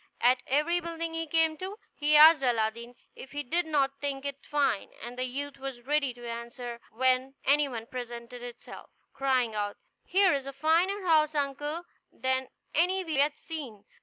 At every building he came to, he asked Aladdin if he did not think it fine; and the youth was ready to answer, when any one presented itself, crying out, "Here is a finer house, uncle, than any we have yet seen."